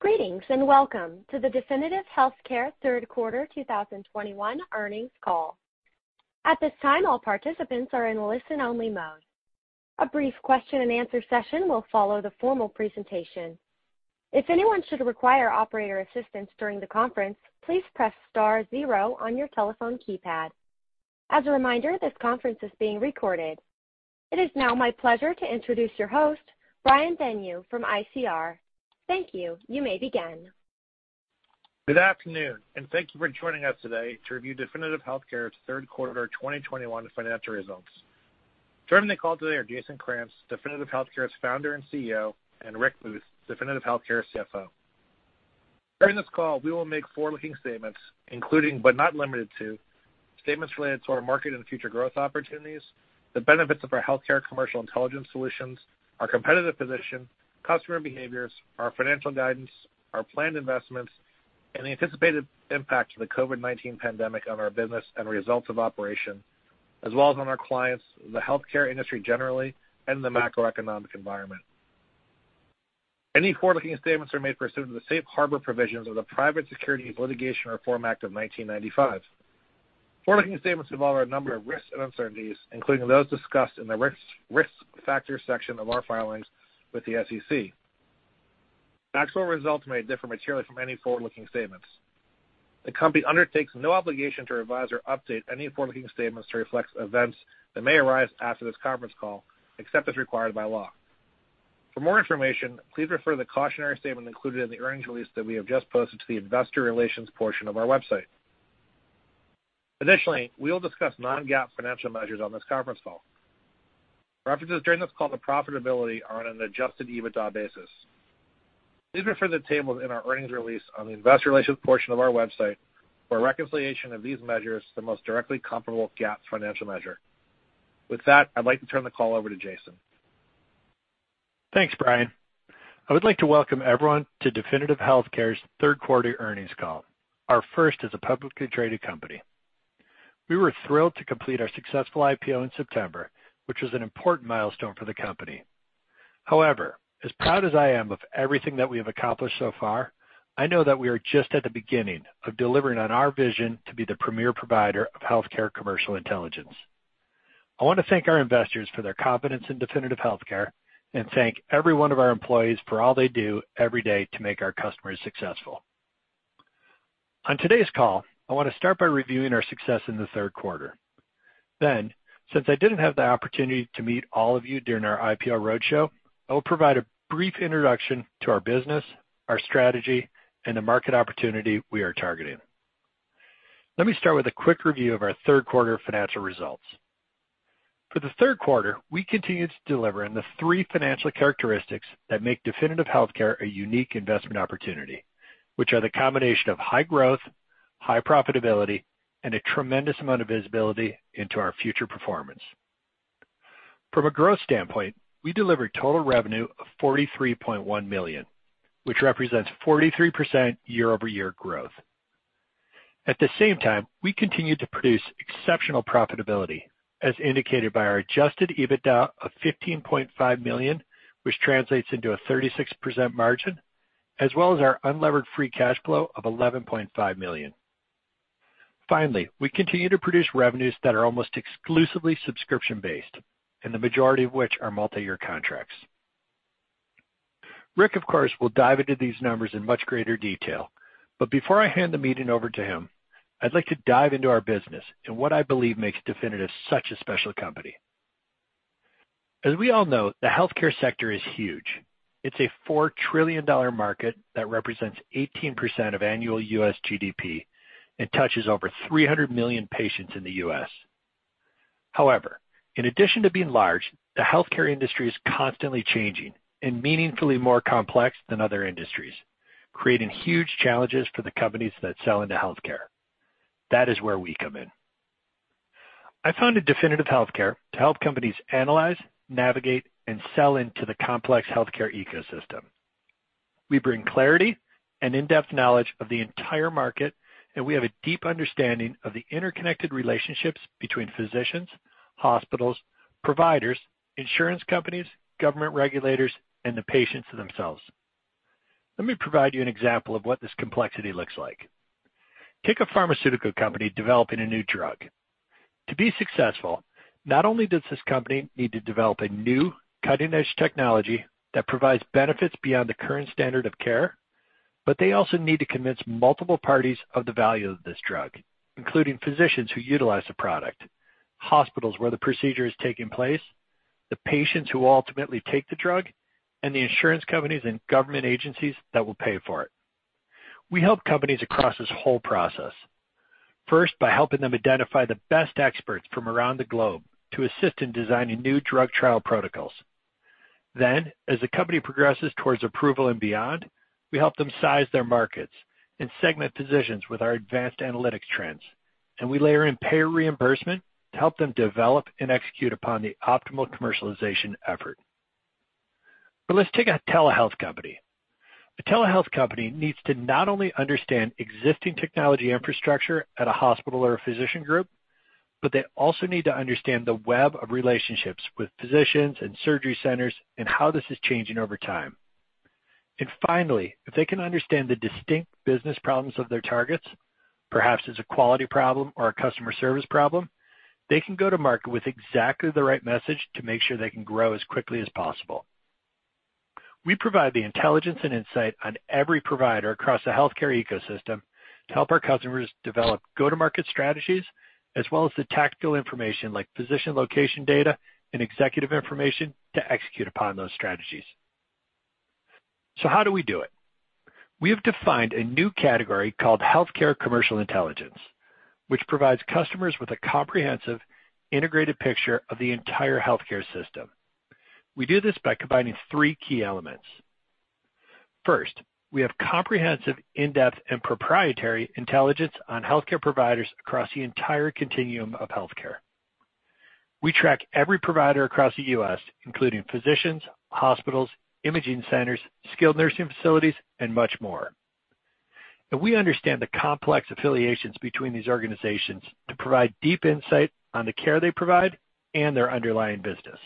Greetings, and welcome to the Definitive Healthcare third quarter 2021 earnings call. At this time, all participants are in listen-only mode. A brief question and answer session will follow the formal presentation. If anyone should require operator assistance during the conference, please press star zero on your telephone keypad. As a reminder, this conference is being recorded. It is now my pleasure to introduce your host, Brian Denyeau from ICR. Thank you. You may begin. Good afternoon, and thank you for joining us today to review Definitive Healthcare's third quarter 2021 financial results. Joining the call today are Jason Krantz, Definitive Healthcare's Founder and CEO, and Rick Booth, Definitive Healthcare's CFO. During this call, we will make forward-looking statements, including but not limited to statements related to our market and future growth opportunities, the benefits of our healthcare commercial intelligence solutions, our competitive position, customer behaviors, our financial guidance, our planned investments, and the anticipated impact of the COVID-19 pandemic on our business and results of operation, as well as on our clients, the healthcare industry generally, and the macroeconomic environment. Any forward-looking statements are made pursuant to the safe harbor provisions of the Private Securities Litigation Reform Act of 1995. Forward-looking statements involve a number of risks and uncertainties, including those discussed in the risk factors section of our filings with the SEC. Actual results may differ materially from any forward-looking statements. The company undertakes no obligation to revise or update any forward-looking statements to reflect events that may arise after this conference call, except as required by law. For more information, please refer to the cautionary statement included in the earnings release that we have just posted to the investor relations portion of our website. Additionally, we will discuss non-GAAP financial measures on this conference call. References during this call to profitability are on an adjusted EBITDA basis. Please refer to the tables in our earnings release on the investor relations portion of our website for a reconciliation of these measures to the most directly comparable GAAP financial measure. With that, I'd like to turn the call over to Jason. Thanks, Brian. I would like to welcome everyone to Definitive Healthcare's third quarter earnings call, our first as a publicly traded company. We were thrilled to complete our successful IPO in September, which was an important milestone for the company. However, as proud as I am of everything that we have accomplished so far, I know that we are just at the beginning of delivering on our vision to be the premier provider of healthcare commercial intelligence. I want to thank our investors for their confidence in Definitive Healthcare and thank every one of our employees for all they do every day to make our customers successful. On today's call, I want to start by reviewing our success in the third quarter. Since I didn't have the opportunity to meet all of you during our IPO roadshow, I will provide a brief introduction to our business, our strategy, and the market opportunity we are targeting. Let me start with a quick review of our third quarter financial results. For the third quarter, we continued to deliver in the three financial characteristics that make Definitive Healthcare a unique investment opportunity, which are the combination of high growth, high profitability, and a tremendous amount of visibility into our future performance. From a growth standpoint, we delivered total revenue of $43.1 million, which represents 43% year-over-year growth. At the same time, we continued to produce exceptional profitability, as indicated by our adjusted EBITDA of $15.5 million, which translates into a 36% margin, as well as our unlevered free cash flow of $11.5 million. Finally, we continue to produce revenues that are almost exclusively subscription-based, and the majority of which are multiyear contracts. Rick, of course, will dive into these numbers in much greater detail, but before I hand the meeting over to him, I'd like to dive into our business and what I believe makes Definitive such a special company. As we all know, the healthcare sector is huge. It's a $4 trillion market that represents 18% of annual U.S. GDP and touches over 300 million patients in the U.S. However, in addition to being large, the healthcare industry is constantly changing and meaningfully more complex than other industries, creating huge challenges for the companies that sell into healthcare. That is where we come in. I founded Definitive Healthcare to help companies analyze, navigate, and sell into the complex healthcare ecosystem. We bring clarity and in-depth knowledge of the entire market, and we have a deep understanding of the interconnected relationships between physicians, hospitals, providers, insurance companies, government regulators, and the patients themselves. Let me provide you an example of what this complexity looks like. Take a pharmaceutical company developing a new drug. To be successful, not only does this company need to develop a new cutting-edge technology that provides benefits beyond the current standard of care, but they also need to convince multiple parties of the value of this drug, including physicians who utilize the product, hospitals where the procedure is taking place, the patients who ultimately take the drug, and the insurance companies and government agencies that will pay for it. We help companies across this whole process. First, by helping them identify the best experts from around the globe to assist in designing new drug trial protocols. As the company progresses towards approval and beyond, we help them size their markets and segment positions with our advanced analytics trends, and we layer in payer reimbursement to help them develop and execute upon the optimal commercialization effort. Let's take a telehealth company. A telehealth company needs to not only understand existing technology infrastructure at a hospital or a physician group. They also need to understand the web of relationships with physicians and surgery centers and how this is changing over time. Finally, if they can understand the distinct business problems of their targets, perhaps it's a quality problem or a customer service problem, they can go to market with exactly the right message to make sure they can grow as quickly as possible. We provide the intelligence and insight on every provider across the healthcare ecosystem to help our customers develop go-to-market strategies, as well as the tactical information like physician location data and executive information to execute upon those strategies. So how do we do it? We have defined a new category called healthcare commercial intelligence, which provides customers with a comprehensive, integrated picture of the entire healthcare system. We do this by combining three key elements. First, we have comprehensive, in-depth and proprietary intelligence on healthcare providers across the entire continuum of healthcare. We track every provider across the U.S., including physicians, hospitals, imaging centers, skilled nursing facilities, and much more. We understand the complex affiliations between these organizations to provide deep insight on the care they provide and their underlying business.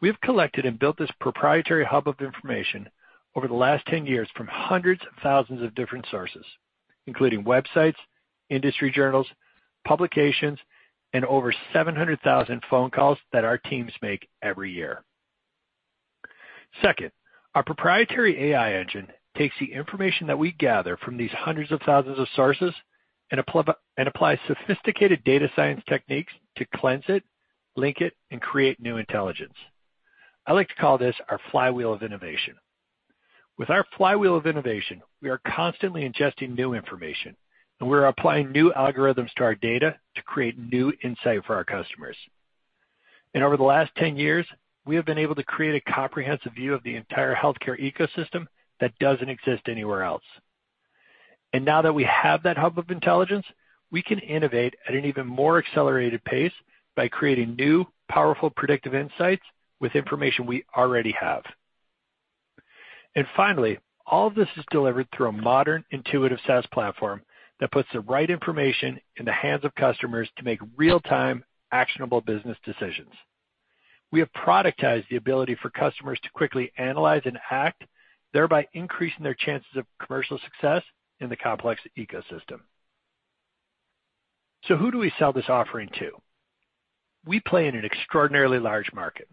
We have collected and built this proprietary hub of information over the last 10 years from hundreds of thousands of different sources, including websites, industry journals, publications, and over 700,000 phone calls that our teams make every year. Second, our proprietary AI engine takes the information that we gather from these hundreds of thousands of sources and applies sophisticated data science techniques to cleanse it, link it, and create new intelligence. I like to call this our flywheel of innovation. With our flywheel of innovation, we are constantly ingesting new information, and we're applying new algorithms to our data to create new insight for our customers. Over the last 10 years, we have been able to create a comprehensive view of the entire healthcare ecosystem that doesn't exist anywhere else. Now that we have that hub of intelligence, we can innovate at an even more accelerated pace by creating new, powerful, predictive insights with information we already have. Finally, all of this is delivered through a modern, intuitive SaaS platform that puts the right information in the hands of customers to make real-time, actionable business decisions. We have productized the ability for customers to quickly analyze and act, thereby increasing their chances of commercial success in the complex ecosystem. Who do we sell this offering to? We play in an extraordinarily large market.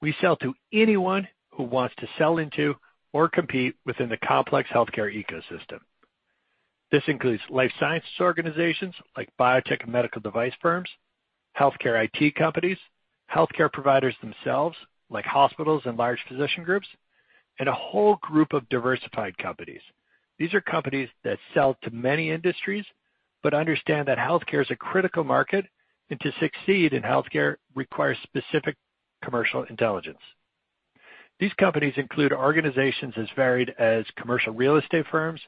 We sell to anyone who wants to sell into or compete within the complex healthcare ecosystem. This includes life sciences organizations, like biotech and medical device firms, healthcare IT companies, healthcare providers themselves, like hospitals and large physician groups, and a whole group of diversified companies. These are companies that sell to many industries, but understand that healthcare is a critical market, and to succeed in healthcare requires specific commercial intelligence. These companies include organizations as varied as commercial real estate firms,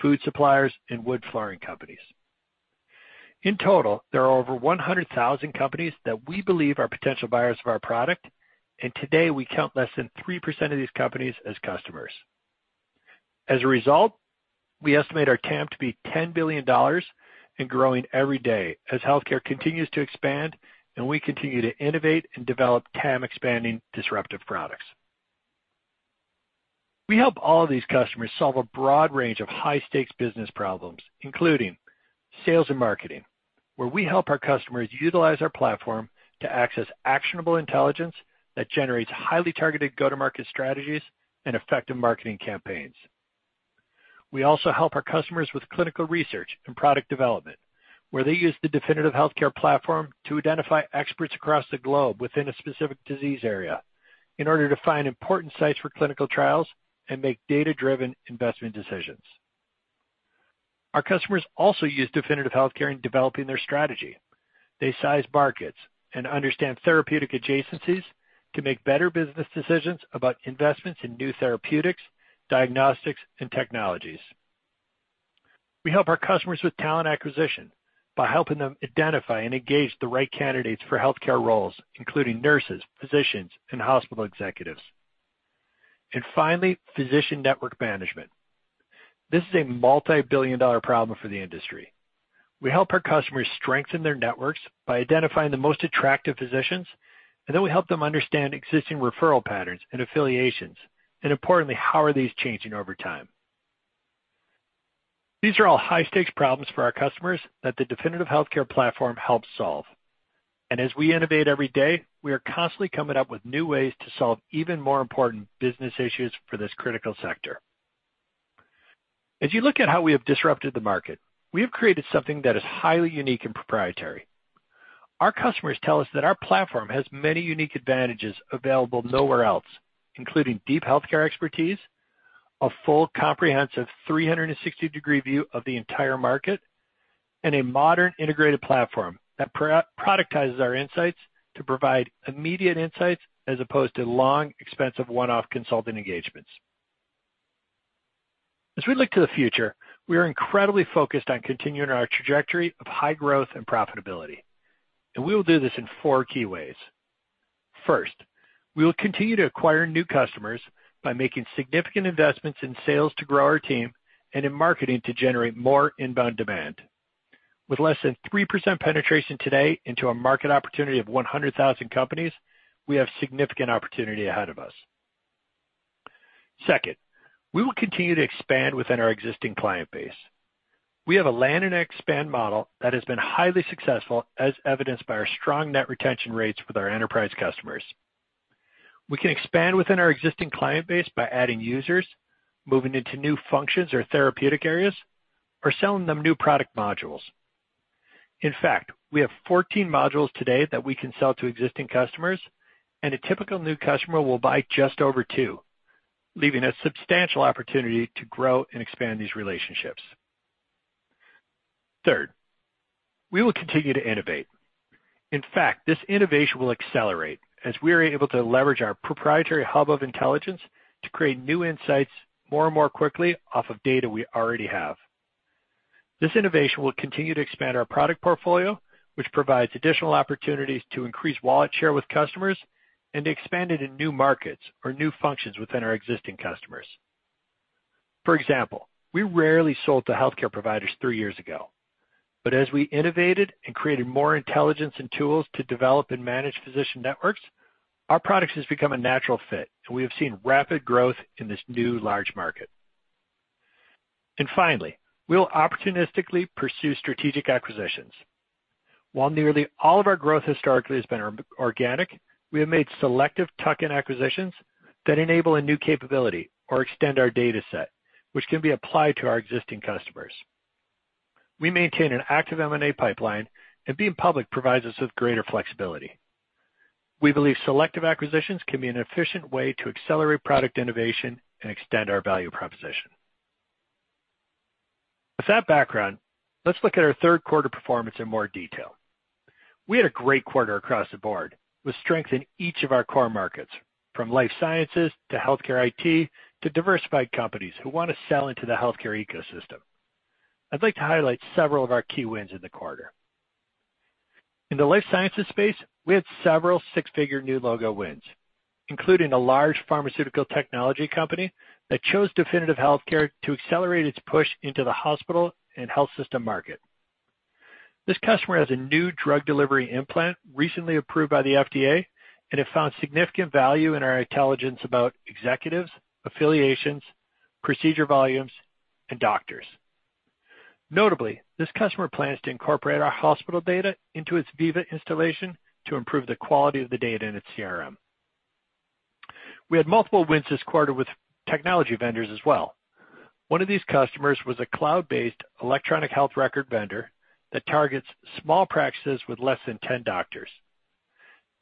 food suppliers, and wood flooring companies. In total, there are over 100,000 companies that we believe are potential buyers of our product, and today we count less than 3% of these companies as customers. As a result, we estimate our TAM to be $10 billion and growing every day as healthcare continues to expand and we continue to innovate and develop TAM-expanding, disruptive products. We help all these customers solve a broad range of high-stakes business problems, including sales and marketing, where we help our customers utilize our platform to access actionable intelligence that generates highly targeted go-to-market strategies and effective marketing campaigns. We also help our customers with clinical research and product development, where they use the Definitive Healthcare platform to identify experts across the globe within a specific disease area in order to find important sites for clinical trials and make data-driven investment decisions. Our customers also use Definitive Healthcare in developing their strategy. They size markets and understand therapeutic adjacencies to make better business decisions about investments in new therapeutics, diagnostics, and technologies. We help our customers with talent acquisition by helping them identify and engage the right candidates for healthcare roles, including nurses, physicians, and hospital executives. Finally, physician network management. This is a multi-billion dollar problem for the industry. We help our customers strengthen their networks by identifying the most attractive physicians, and then we help them understand existing referral patterns and affiliations, and importantly, how are these changing over time. These are all high-stakes problems for our customers that the Definitive Healthcare platform helps solve. As we innovate every day, we are constantly coming up with new ways to solve even more important business issues for this critical sector. As you look at how we have disrupted the market, we have created something that is highly unique and proprietary. Our customers tell us that our platform has many unique advantages available nowhere else, including deep healthcare expertise, a full, comprehensive 360-degree view of the entire market, and a modern, integrated platform that productizes our insights to provide immediate insights as opposed to long, expensive, one-off consulting engagements. As we look to the future, we are incredibly focused on continuing our trajectory of high growth and profitability, and we will do this in four key ways. First, we will continue to acquire new customers by making significant investments in sales to grow our team and in marketing to generate more inbound demand. With less than 3% penetration today into a market opportunity of 100,000 companies, we have significant opportunity ahead of us. Second, we will continue to expand within our existing client base. We have a land and expand model that has been highly successful, as evidenced by our strong net retention rates with our enterprise customers. We can expand within our existing client base by adding users, moving into new functions or therapeutic areas, or selling them new product modules. In fact, we have 14 modules today that we can sell to existing customers, and a typical new customer will buy just over two, leaving a substantial opportunity to grow and expand these relationships. Third, we will continue to innovate. In fact, this innovation will accelerate as we are able to leverage our proprietary hub of intelligence to create new insights more and more quickly off of data we already have. This innovation will continue to expand our product portfolio, which provides additional opportunities to increase wallet share with customers and to expand it in new markets or new functions within our existing customers. For example, we rarely sold to healthcare providers three years ago, but as we innovated and created more intelligence and tools to develop and manage physician networks, our products has become a natural fit, and we have seen rapid growth in this new large market. Finally, we'll opportunistically pursue strategic acquisitions. While nearly all of our growth historically has been organic, we have made selective tuck-in acquisitions that enable a new capability or extend our dataset, which can be applied to our existing customers. We maintain an active M&A pipeline, and being public provides us with greater flexibility. We believe selective acquisitions can be an efficient way to accelerate product innovation and extend our value proposition. With that background, let's look at our third quarter performance in more detail. We had a great quarter across the board with strength in each of our core markets, from life sciences to healthcare IT, to diversified companies who want to sell into the healthcare ecosystem. I'd like to highlight several of our key wins in the quarter. In the life sciences space, we had several six-figure new logo wins, including a large pharmaceutical technology company that chose Definitive Healthcare to accelerate its push into the hospital and health system market. This customer has a new drug delivery implant recently approved by the FDA, and it found significant value in our intelligence about executives, affiliations, procedure volumes, and doctors. Notably, this customer plans to incorporate our hospital data into its Veeva installation to improve the quality of the data in its CRM. We had multiple wins this quarter with technology vendors as well. One of these customers was a cloud-based electronic health record vendor that targets small practices with less than 10 doctors.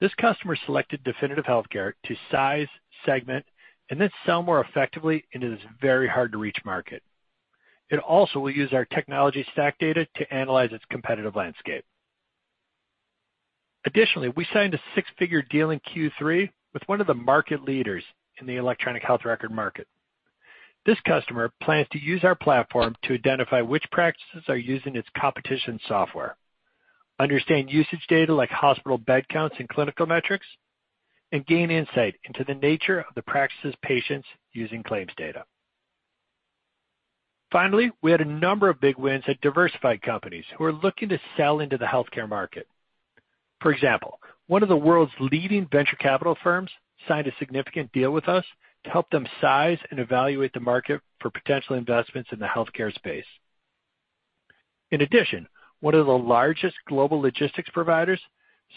This customer selected Definitive Healthcare to size, segment, and then sell more effectively into this very hard-to-reach market. It also will use our technology stack data to analyze its competitive landscape. Additionally, we signed a six-figure deal in Q3 with one of the market leaders in the electronic health record market. This customer plans to use our platform to identify which practices are using its competition software, understand usage data like hospital bed counts and clinical metrics, and gain insight into the nature of the practice's patients using claims data. Finally, we had a number of big wins at diversified companies who are looking to sell into the healthcare market. For example, one of the world's leading venture capital firms signed a significant deal with us to help them size and evaluate the market for potential investments in the healthcare space. In addition, one of the largest global logistics providers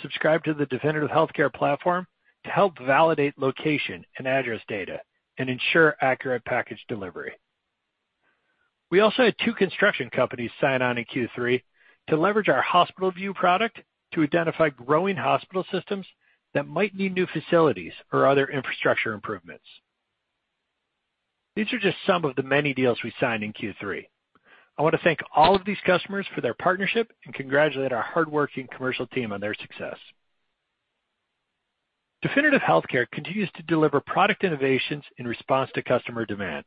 subscribed to the Definitive Healthcare platform to help validate location and address data and ensure accurate package delivery. We also had two construction companies sign on in Q3 to leverage our HospitalView product to identify growing hospital systems that might need new facilities or other infrastructure improvements. These are just some of the many deals we signed in Q3. I want to thank all of these customers for their partnership and congratulate our hardworking commercial team on their success. Definitive Healthcare continues to deliver product innovations in response to customer demand.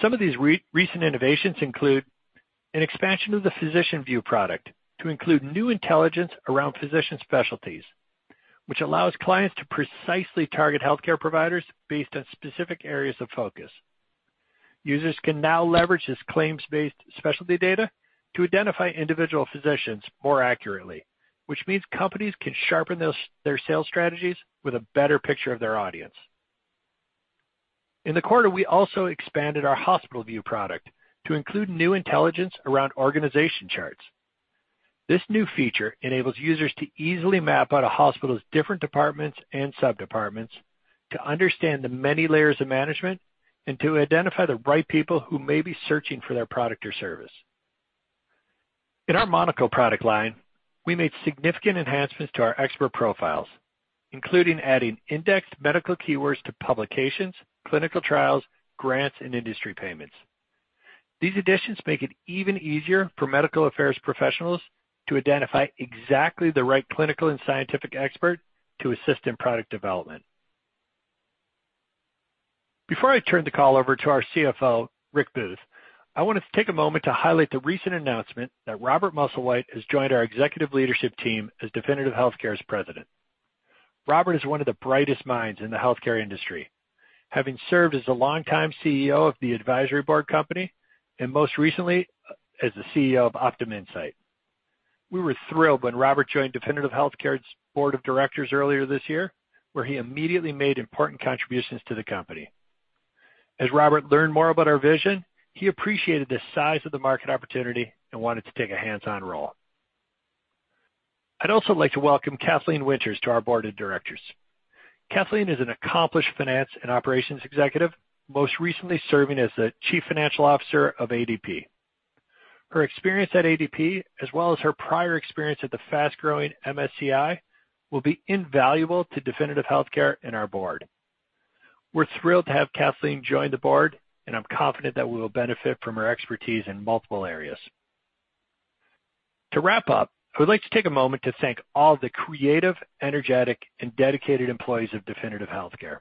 Some of these recent innovations include an expansion of the PhysicianView product to include new intelligence around physician specialties, which allows clients to precisely target healthcare providers based on specific areas of focus. Users can now leverage this claims-based specialty data to identify individual physicians more accurately, which means companies can sharpen their sales strategies with a better picture of their audience. In the quarter, we also expanded our HospitalView product to include new intelligence around organization charts. This new feature enables users to easily map out a hospital's different departments and subdepartments to understand the many layers of management and to identify the right people who may be searching for their product or service. In our Monocl product line, we made significant enhancements to our expert profiles, including adding indexed medical keywords to publications, clinical trials, grants, and industry payments. These additions make it even easier for medical affairs professionals to identify exactly the right clinical and scientific expert to assist in product development. Before I turn the call over to our CFO, Rick Booth, I wanted to take a moment to highlight the recent announcement that Robert Musslewhite has joined our executive leadership team as Definitive Healthcare's president. Robert is one of the brightest minds in the healthcare industry, having served as the longtime CEO of The Advisory Board Company and most recently as the CEO of OptumInsight. We were thrilled when Robert joined Definitive Healthcare's board of directors earlier this year, where he immediately made important contributions to the company. As Robert learned more about our vision, he appreciated the size of the market opportunity and wanted to take a hands-on role. I'd also like to welcome Kathleen Winters to our board of directors. Kathleen is an accomplished finance and operations executive, most recently serving as the Chief Financial Officer of ADP. Her experience at ADP, as well as her prior experience at the fast-growing MSCI, will be invaluable to Definitive Healthcare and our board. We're thrilled to have Kathleen join the board, and I'm confident that we will benefit from her expertise in multiple areas. To wrap up, I would like to take a moment to thank all the creative, energetic, and dedicated employees of Definitive Healthcare.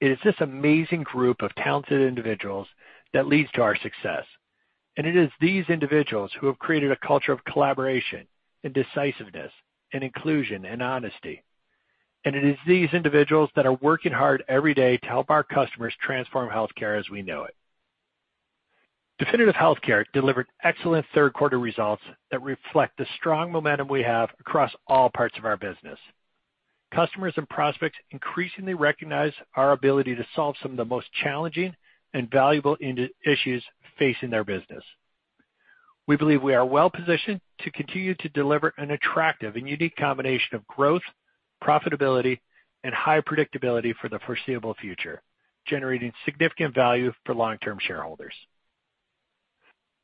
It is this amazing group of talented individuals that leads to our success, and it is these individuals who have created a culture of collaboration and decisiveness and inclusion and honesty. It is these individuals that are working hard every day to help our customers transform healthcare as we know it. Definitive Healthcare delivered excellent third quarter results that reflect the strong momentum we have across all parts of our business. Customers and prospects increasingly recognize our ability to solve some of the most challenging and valuable issues facing their business. We believe we are well positioned to continue to deliver an attractive and unique combination of growth, profitability, and high predictability for the foreseeable future, generating significant value for long-term shareholders.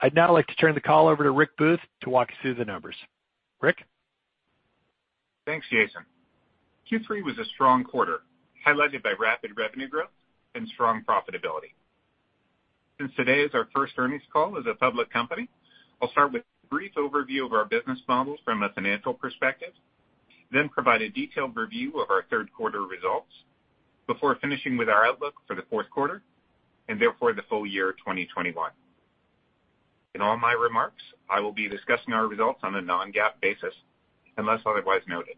I'd now like to turn the call over to Rick Booth to walk us through the numbers. Rick? Thanks, Jason. Q3 was a strong quarter, highlighted by rapid revenue growth and strong profitability. Since today is our first earnings call as a public company, I'll start with a brief overview of our business model from a financial perspective, then provide a detailed review of our third quarter results before finishing with our outlook for the fourth quarter and therefore the full year 2021. In all my remarks, I will be discussing our results on a non-GAAP basis, unless otherwise noted.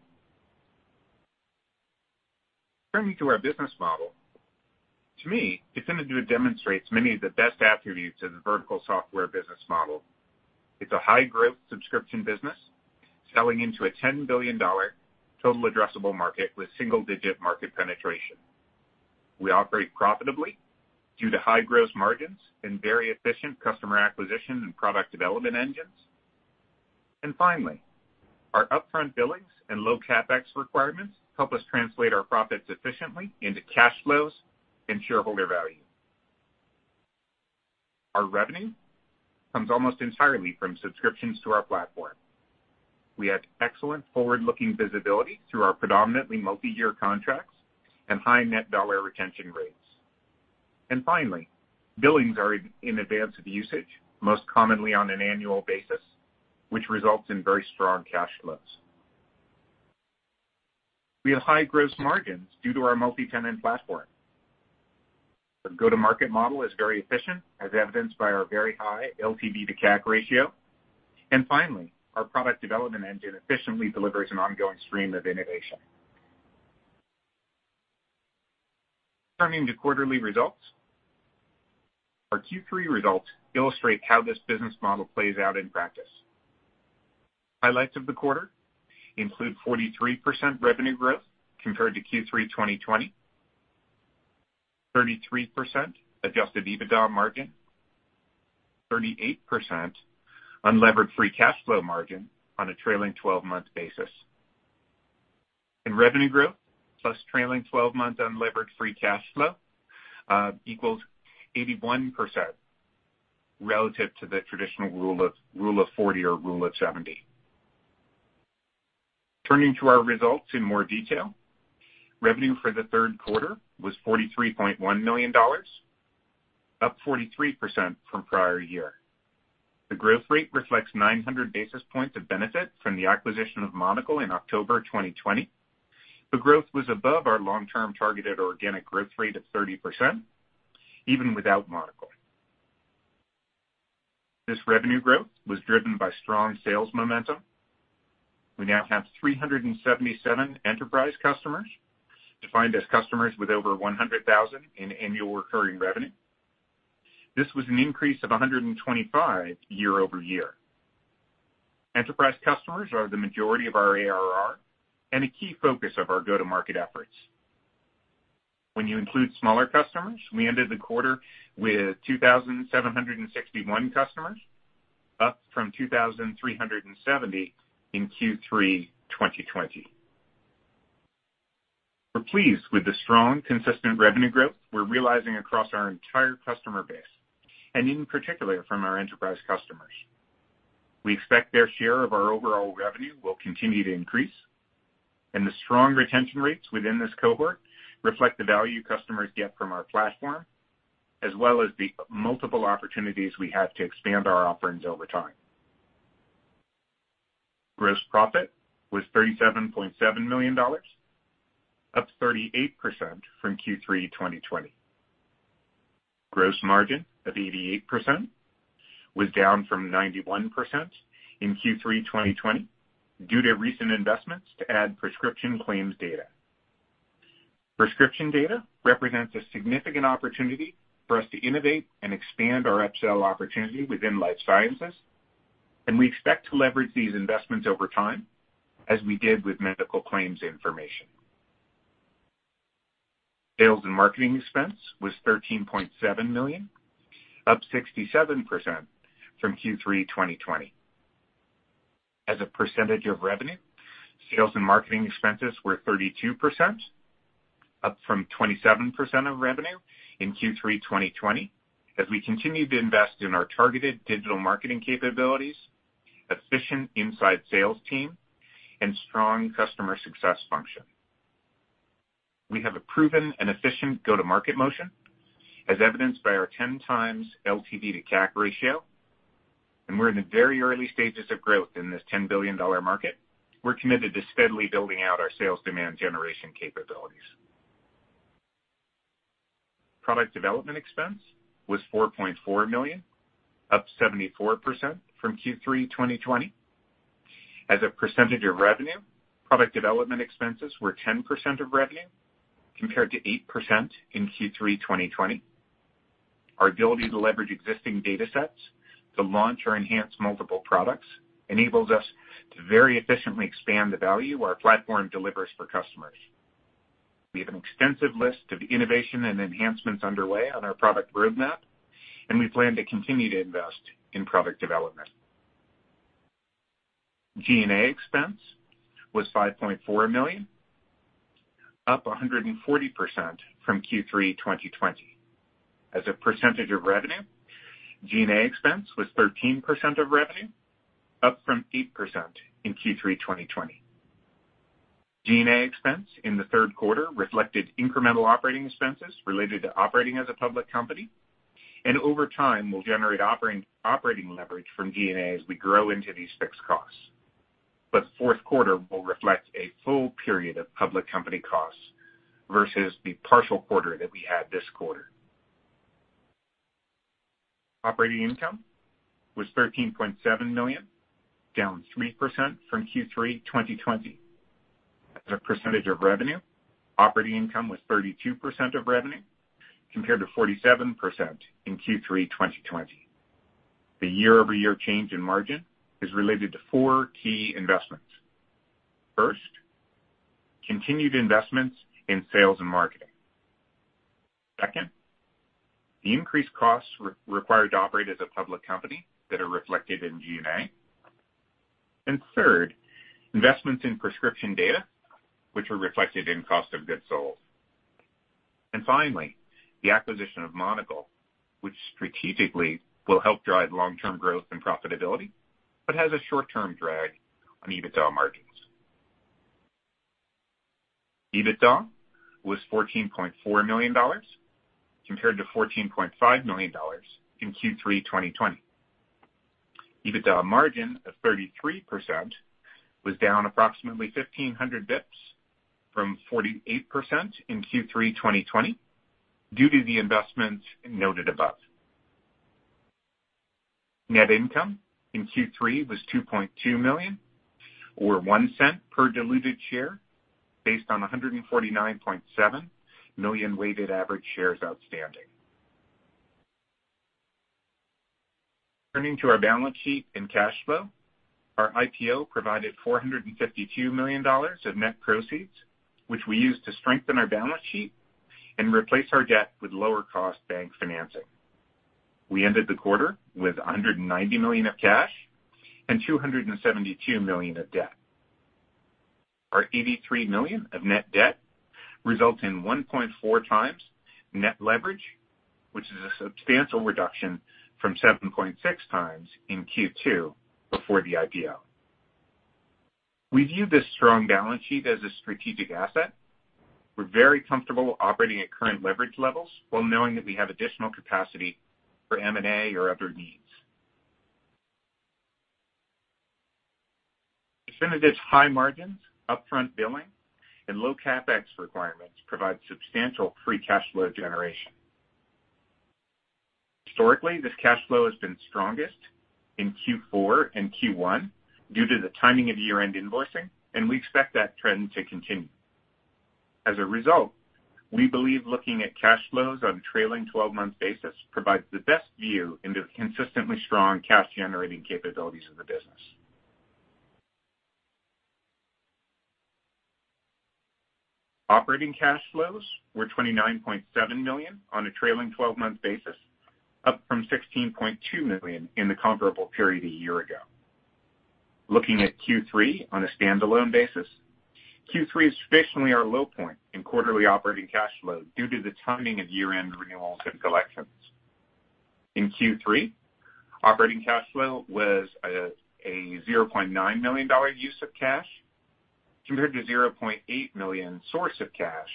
Turning to our business model. To me, Definitive demonstrates many of the best attributes of the vertical software business model. It's a high-growth subscription business selling into a $10 billion total addressable market with single-digit market penetration. We operate profitably due to high gross margins and very efficient customer acquisition and product development engines. Finally, our upfront billings and low CapEx requirements help us translate our profits efficiently into cash flows and shareholder value. Our revenue comes almost entirely from subscriptions to our platform. We have excellent forward-looking visibility through our predominantly multiyear contracts and high net dollar retention rates. Finally, billings are in advance of usage, most commonly on an annual basis, which results in very strong cash flows. We have high gross margins due to our multi-tenant platform. Our go-to-market model is very efficient, as evidenced by our very high LTV to CAC ratio. Finally, our product development engine efficiently delivers an ongoing stream of innovation. Turning to quarterly results. Our Q3 results illustrate how this business model plays out in practice. Highlights of the quarter include 43% revenue growth compared to Q3 2020, 33% adjusted EBITDA margin, 38% unlevered free cash flow margin on a trailing twelve-month basis. Revenue growth plus trailing twelve-month unlevered free cash flow equals 81% relative to the traditional rule of 40 or rule of 70. Turning to our results in more detail. Revenue for the third quarter was $43.1 million, up 43% from prior year. The growth rate reflects 900 basis points of benefit from the acquisition of Monocl in October 2020. The growth was above our long-term targeted organic growth rate of 30%, even without Monocl. This revenue growth was driven by strong sales momentum. We now have 377 enterprise customers, defined as customers with over $100,000 in annual recurring revenue. This was an increase of 125 year-over-year. Enterprise customers are the majority of our ARR and a key focus of our go-to-market efforts. When you include smaller customers, we ended the quarter with 2,761 customers, up from 2,370 in Q3 2020. We're pleased with the strong, consistent revenue growth we're realizing across our entire customer base and in particular from our enterprise customers. We expect their share of our overall revenue will continue to increase, and the strong retention rates within this cohort reflect the value customers get from our platform, as well as the multiple opportunities we have to expand our offerings over time. Gross profit was $37.7 million, up 38% from Q3 2020. Gross margin of 88% was down from 91% in Q3 2020 due to recent investments to add prescription claims data. Prescription data represents a significant opportunity for us to innovate and expand our upsell opportunity within life sciences, and we expect to leverage these investments over time as we did with medical claims information. Sales and marketing expense was $13.7 million, up 67% from Q3 2020. As a percentage of revenue, sales and marketing expenses were 32%, up from 27% of revenue in Q3 2020 as we continue to invest in our targeted digital marketing capabilities, efficient inside sales team and strong customer success function. We have a proven and efficient go-to-market motion as evidenced by our 10x LTV to CAC ratio, and we're in the very early stages of growth in this $10 billion market. We're committed to steadily building out our sales demand generation capabilities. Product development expense was $4.4 million, up 74% from Q3 2020. As a percentage of revenue, product development expenses were 10% of revenue, compared to 8% in Q3 2020. Our ability to leverage existing datasets to launch or enhance multiple products enables us to very efficiently expand the value our platform delivers for customers. We have an extensive list of innovation and enhancements underway on our product roadmap, and we plan to continue to invest in product development. G&A expense was $5.4 million, up 140% from Q3 2020. As a percentage of revenue, G&A expense was 13% of revenue, up from 8% in Q3 2020. G&A expense in the third quarter reflected incremental operating expenses related to operating as a public company, and over time will generate operating leverage from G&A as we grow into these fixed costs. Fourth quarter will reflect a full period of public company costs versus the partial quarter that we had this quarter. Operating income was $13.7 million, down 3% from Q3 2020. As a percentage of revenue, operating income was 32% of revenue, compared to 47% in Q3 2020. The year-over-year change in margin is related to four key investments. First, continued investments in sales and marketing. Second, the increased costs required to operate as a public company that are reflected in G&A. Third, investments in prescription data which are reflected in cost of goods sold. Finally, the acquisition of Monocl, which strategically will help drive long-term growth and profitability, but has a short-term drag on EBITDA margins. EBITDA was $14.4 million compared to $14.5 million in Q3 2020. EBITDA margin of 33% was down approximately 1,500 basis points from 48% in Q3 2020 due to the investments noted above. Net income in Q3 was $2.2 million or $0.01 per diluted share based on 149.7 million weighted average shares outstanding. Turning to our balance sheet and cash flow, our IPO provided $452 million of net proceeds, which we used to strengthen our balance sheet and replace our debt with lower cost bank financing. We ended the quarter with $190 million of cash and $272 million of debt. Our $83 million of net debt results in 1.4x net leverage, which is a substantial reduction from 7.6x in Q2 before the IPO. We view this strong balance sheet as a strategic asset. We're very comfortable operating at current leverage levels while knowing that we have additional capacity for M&A or other needs. Definitive's high margins, upfront billing and low CapEx requirements provide substantial free cash flow generation. Historically, this cash flow has been strongest in Q4 and Q1 due to the timing of year-end invoicing, and we expect that trend to continue. As a result, we believe looking at cash flows on a trailing twelve-month basis provides the best view into the consistently strong cash generating capabilities of the business. Operating cash flows were $29.7 million on a trailing twelve-month basis, up from $16.2 million in the comparable period a year ago. Looking at Q3 on a standalone basis, Q3 is traditionally our low point in quarterly operating cash flow due to the timing of year-end renewals and collections. In Q3, operating cash flow was at a $0.9 million dollar use of cash. Compared to $0.8 million source of cash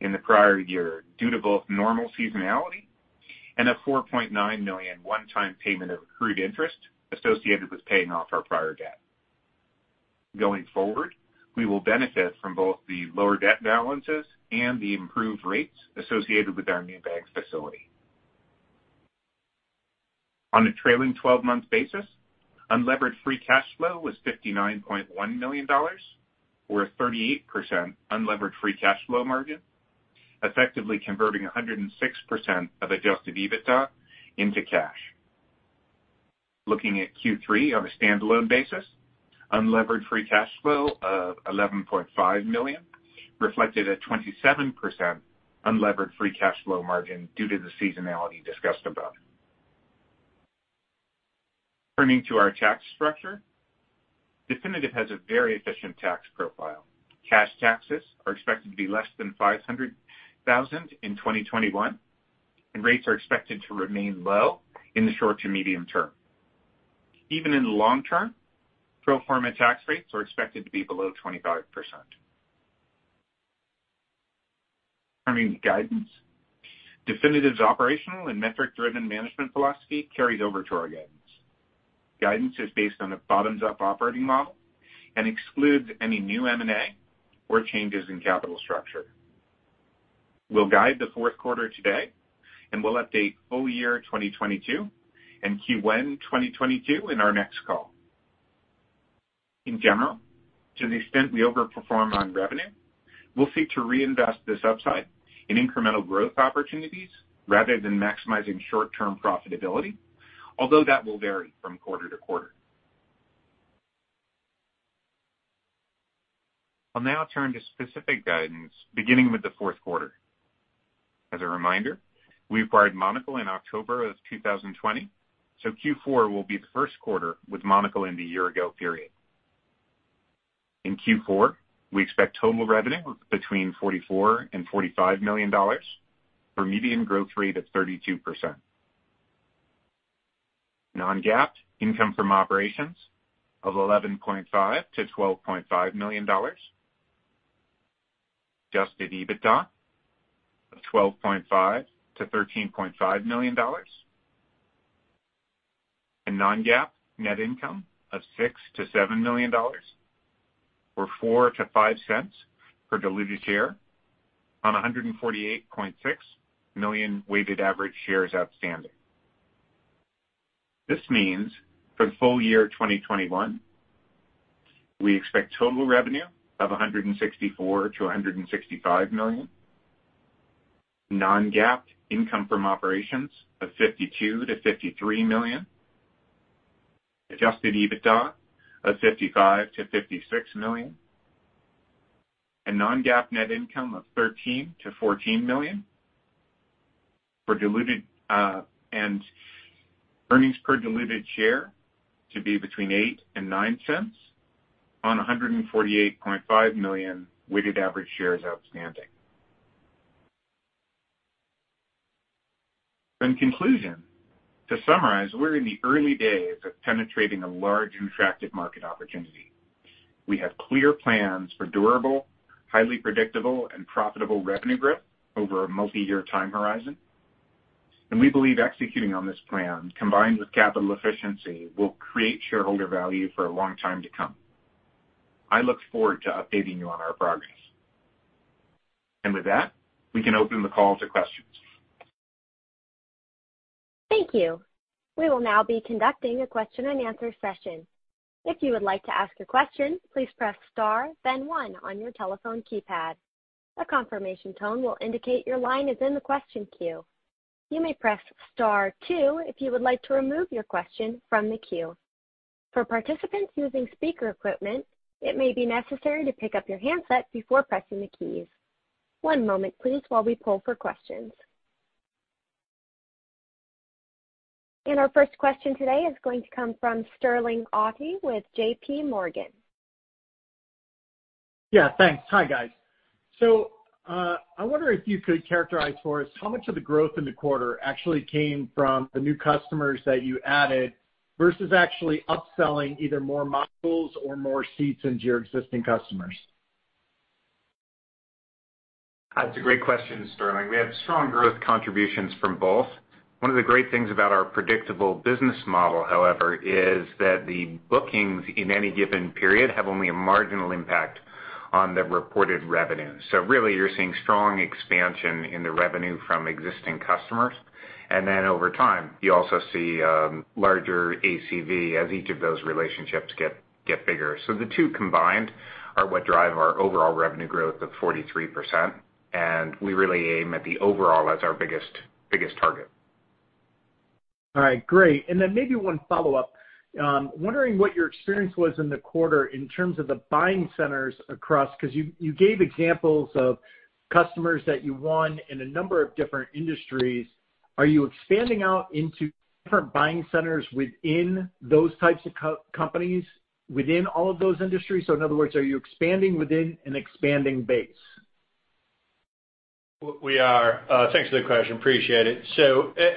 in the prior year, due to both normal seasonality and a $4.9 million one-time payment of accrued interest associated with paying off our prior debt. Going forward, we will benefit from both the lower debt balances and the improved rates associated with our new banks facility. On a trailing twelve-month basis, unlevered free cash flow was $59.1 million or a 38% unlevered free cash flow margin, effectively converting 106% of adjusted EBITDA into cash. Looking at Q3 on a standalone basis, unlevered free cash flow of $11.5 million reflected a 27% unlevered free cash flow margin due to the seasonality discussed above. Turning to our tax structure. Definitive has a very efficient tax profile. Cash taxes are expected to be less than $500,000 in 2021, and rates are expected to remain low in the short to medium term. Even in the long term, pro forma tax rates are expected to be below 25%. Turning to guidance. Definitive's operational and metric-driven management philosophy carries over to our guidance. Guidance is based on a bottoms-up operating model and excludes any new M&A or changes in capital structure. We'll guide the fourth quarter today, and we'll update full year 2022 and Q1 2022 in our next call. In general, to the extent we overperform on revenue, we'll seek to reinvest this upside in incremental growth opportunities rather than maximizing short-term profitability, although that will vary from quarter to quarter. I'll now turn to specific guidance, beginning with the fourth quarter. As a reminder, we acquired Monocl in October of 2020, so Q4 will be the first quarter with Monocl in the year ago period. In Q4, we expect total revenue between $44 million-$45 million for a median growth rate of 32%. Non-GAAP income from operations of $11.5 million-$12.5 million. Adjusted EBITDA of $12.5 million-$13.5 million. Non-GAAP net income of $6 million-$7 million or $0.04-$0.05 per diluted share on 148.6 million weighted average shares outstanding. This means for the full year 2021, we expect total revenue of $164 million-$165 million. Non-GAAP income from operations of $52 million-$53 million. Adjusted EBITDA of $55 million-$56 million. Non-GAAP net income of $13 million-$14 million for diluted, and earnings per diluted share to be between $0.08 and $0.09 on 148.5 million weighted average shares outstanding. In conclusion, to summarize, we're in the early days of penetrating a large and attractive market opportunity. We have clear plans for durable, highly predictable, and profitable revenue growth over a multi-year time horizon. We believe executing on this plan, combined with capital efficiency, will create shareholder value for a long time to come. I look forward to updating you on our progress. With that, we can open the call to questions. Thank you. We will now be conducting a question-and-answer session. If you would like to ask a question, please press star then one on your telephone keypad. A confirmation tone will indicate your line is in the question queue. You may press star two if you would like to remove your question from the queue. For participants using speaker equipment, it may be necessary to pick up your handset before pressing the keys. One moment please while we pull for questions. Our first question today is going to come from Sterling Auty with JP Morgan. Yeah, thanks. Hi, guys. I wonder if you could characterize for us how much of the growth in the quarter actually came from the new customers that you added versus actually upselling either more modules or more seats into your existing customers. That's a great question, Sterling. We have strong growth contributions from both. One of the great things about our predictable business model, however, is that the bookings in any given period have only a marginal impact on the reported revenue. Really, you're seeing strong expansion in the revenue from existing customers. Over time, you also see larger ACV as each of those relationships get bigger. The two combined are what drive our overall revenue growth of 43%. We really aim at the overall as our biggest target. All right, great. Maybe one follow-up. Wondering what your experience was in the quarter in terms of the buying centers across, 'cause you gave examples of customers that you won in a number of different industries. Are you expanding out into different buying centers within those types of companies within all of those industries? In other words, are you expanding within an expanding base? Thanks for the question, appreciate it.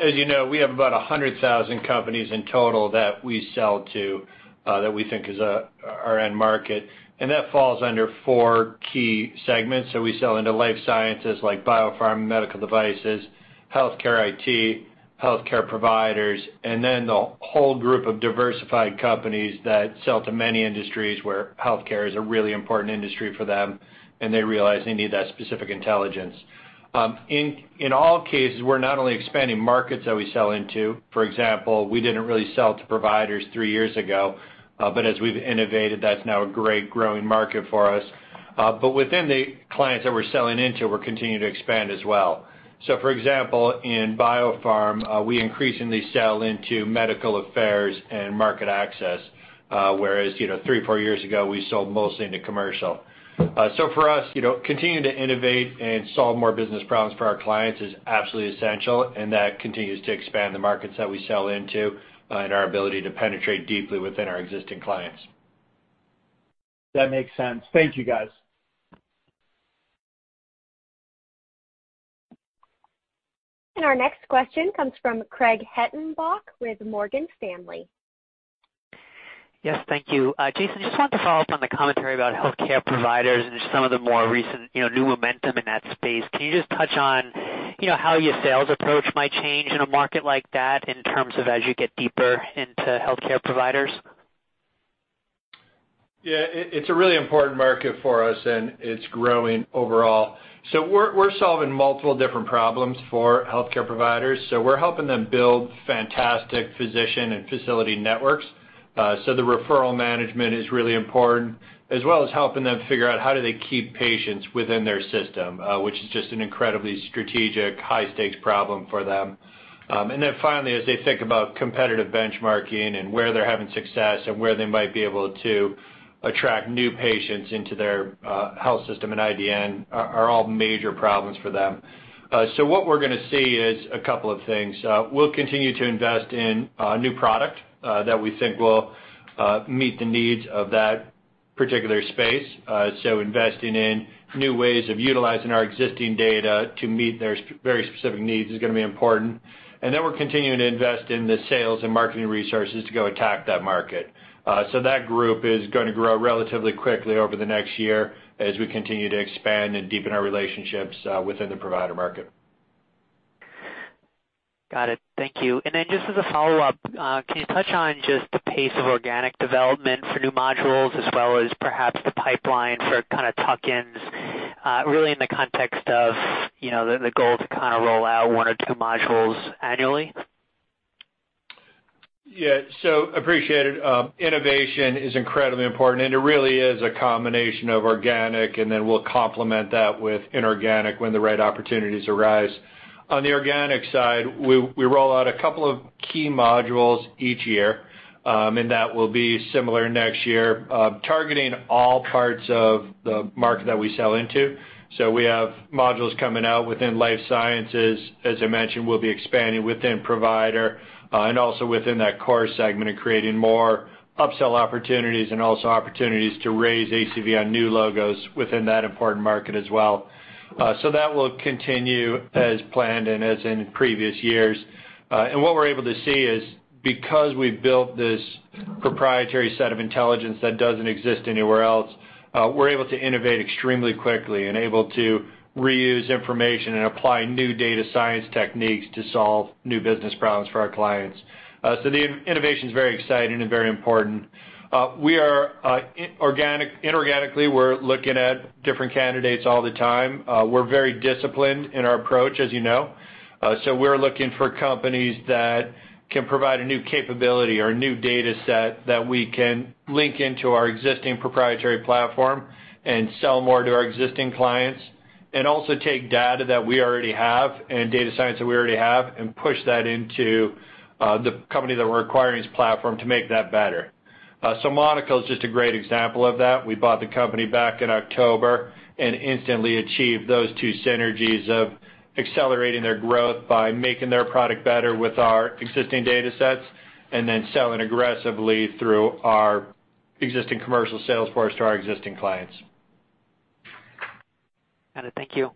As you know, we have about 100,000 companies in total that we sell to that we think is our end market, and that falls under four key segments. We sell into life sciences like biopharm, medical devices, healthcare IT, healthcare providers, and then the whole group of diversified companies that sell to many industries where healthcare is a really important industry for them, and they realize they need that specific intelligence. In all cases, we're not only expanding markets that we sell into. For example, we didn't really sell to providers three years ago, but as we've innovated, that's now a great growing market for us. But within the clients that we're selling into, we're continuing to expand as well. For example, in biopharma, we increasingly sell into medical affairs and market access, whereas, you know, three, four years ago, we sold mostly into commercial. For us, you know, continuing to innovate and solve more business problems for our clients is absolutely essential, and that continues to expand the markets that we sell into, and our ability to penetrate deeply within our existing clients. That makes sense. Thank you, guys. Our next question comes from Craig Hettenbach with Morgan Stanley. Yes, thank you. Jason, just wanted to follow up on the commentary about healthcare providers and just some of the more recent, you know, new momentum in that space. Can you just touch on, you know, how your sales approach might change in a market like that in terms of as you get deeper into healthcare providers? Yeah. It's a really important market for us, and it's growing overall. We're solving multiple different problems for healthcare providers. We're helping them build fantastic physician and facility networks, so the referral management is really important, as well as helping them figure out how do they keep patients within their system, which is just an incredibly strategic, high-stakes problem for them. And then finally, as they think about competitive benchmarking and where they're having success and where they might be able to attract new patients into their health system and IDN are all major problems for them. What we're gonna see is a couple of things. We'll continue to invest in a new product that we think will meet the needs of that particular space. Investing in new ways of utilizing our existing data to meet their very specific needs is gonna be important. We're continuing to invest in the sales and marketing resources to go attack that market. That group is gonna grow relatively quickly over the next year as we continue to expand and deepen our relationships within the provider market. Got it. Thank you. Then just as a follow-up, can you touch on just the pace of organic development for new modules as well as perhaps the pipeline for kind of tuck-ins, really in the context of, you know, the goal to kind of roll out one or two modules annually? Yeah, appreciated. Innovation is incredibly important, and it really is a combination of organic, and then we'll complement that with inorganic when the right opportunities arise. On the organic side, we roll out a couple of key modules each year, and that will be similar next year, targeting all parts of the market that we sell into. We have modules coming out within life sciences. As I mentioned, we'll be expanding within provider, and also within that core segment and creating more upsell opportunities and also opportunities to raise ACV on new logos within that important market as well. That will continue as planned and as in previous years. What we're able to see is because we've built this proprietary set of intelligence that doesn't exist anywhere else, we're able to innovate extremely quickly and able to reuse information and apply new data science techniques to solve new business problems for our clients. The innovation's very exciting and very important. We are inorganically looking at different candidates all the time. We're very disciplined in our approach, as you know. We're looking for companies that can provide a new capability or a new data set that we can link into our existing proprietary platform and sell more to our existing clients and also take data that we already have and data science that we already have and push that into the company that we're acquiring's platform to make that better. Monocl's just a great example of that. We bought the company back in October and instantly achieved those two synergies of accelerating their growth by making their product better with our existing datasets and then selling aggressively through our existing commercial sales force to our existing clients. Got it. Thank you.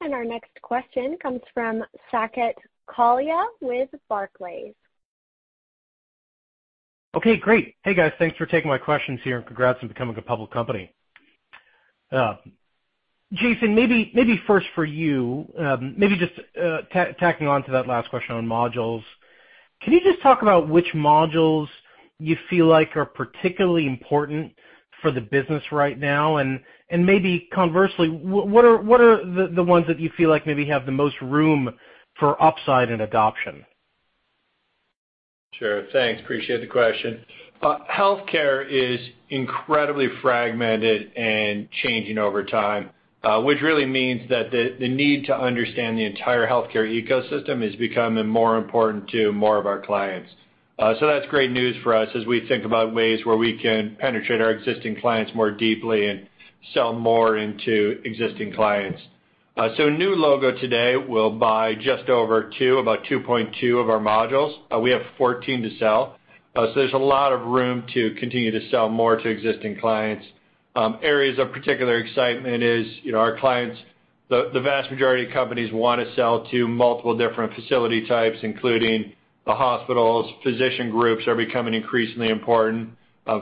Our next question comes from Saket Kalia with Barclays. Okay, great. Hey, guys. Thanks for taking my questions here, and congrats on becoming a public company. Jason, maybe first for you, maybe just tacking on to that last question on modules. Can you just talk about which modules you feel like are particularly important for the business right now? Maybe conversely, what are the ones that you feel like maybe have the most room for upside and adoption? Sure. Thanks. Appreciate the question. Healthcare is incredibly fragmented and changing over time, which really means that the need to understand the entire healthcare ecosystem is becoming more important to more of our clients. That's great news for us as we think about ways where we can penetrate our existing clients more deeply and sell more into existing clients. New logo today will buy just over two, about 2.2 of our modules. We have 14 to sell. There's a lot of room to continue to sell more to existing clients. Areas of particular excitement is, you know, our clients, the vast majority of companies wanna sell to multiple different facility types, including the hospitals. Physician groups are becoming increasingly important.